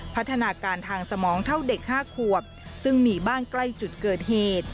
พัฒนาการทางสมองเท่าเด็ก๕ขวบซึ่งมีบ้านใกล้จุดเกิดเหตุ